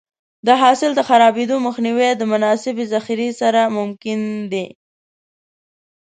د حاصل د خرابېدو مخنیوی د مناسبې ذخیرې سره ممکن دی.